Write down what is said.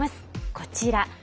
こちら。